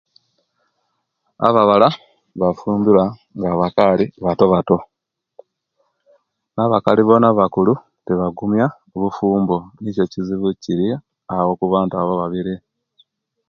Abawala bafumbirwa nga bakaali batobato na'bakali bona abakulu tebagumya obufombo nikyo ekizibu ekiri awo okubantu abo ababiri